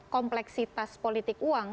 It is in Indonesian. kompleksitas politik uang